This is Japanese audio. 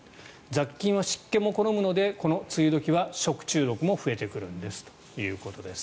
雑菌は湿気も好むのでこの梅雨時は食中毒も増えてくるんですということです。